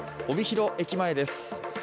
帯広駅前です。